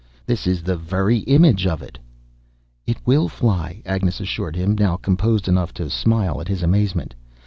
This is the very image of it!" "It will fly!" Agnes assured him, now composed enough to smile at his amazement.